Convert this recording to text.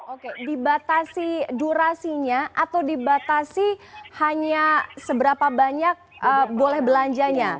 oke dibatasi durasinya atau dibatasi hanya seberapa banyak boleh belanjanya